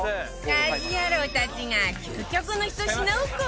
家事ヤロウたちが究極の１品を購入！